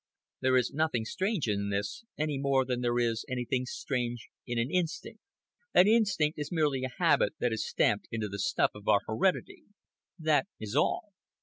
There is nothing strange in this, any more than there is anything strange in an instinct. An instinct is merely a habit that is stamped into the stuff of our heredity, that is all.